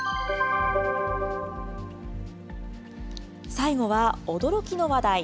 最後は驚きの話題。